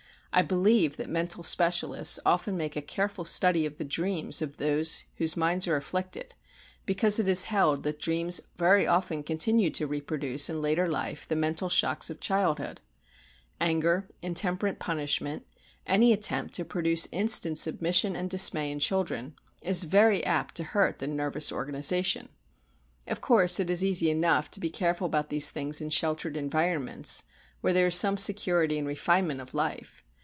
I believe that mental specialists often make a careful study of the dreams of those whose minds are afflicted, because it is held that dreams very often continue to reproduce in later life the mental shocks of childhood. Anger, intemperate punishment, any attempt to produce instant submission and dismay in children, is very apt to hurt the nervous organisation. Of course it is easy enough to be careful about these things in sheltered environments, where there is some security and refinement of life.